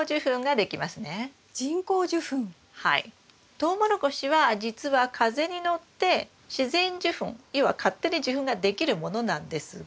トウモロコシはじつは風に乗って自然受粉要は勝手に受粉ができるものなんですが。